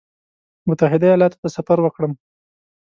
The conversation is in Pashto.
متحده ایالاتو ته سفر وکړم.